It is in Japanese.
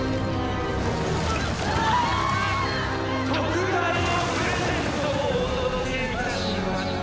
「特大のプレゼントをお届けいたしました」